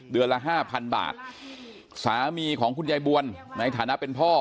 เดือนละ๕๐๐๐บาทสามีของคุณยายบวลในฐานะเป็นพ่อ